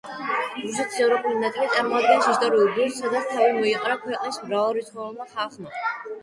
რუსეთის ევროპული ნაწილი წარმოადგენს ისტორიულ ბირთვს, სადაც თავი მოიყარა ქვეყნის მრავალრიცხოვანმა ხალხმა.